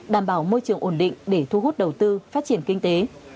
đảm bảo môi trường ổn định để thu hút đầu tư phát triển kinh tế